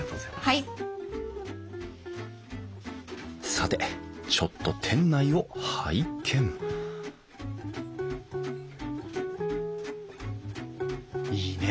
さてちょっと店内を拝見いいね。